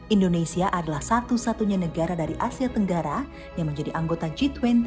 indonesia adalah satu satunya negara dari asia tenggara yang menjadi anggota g dua puluh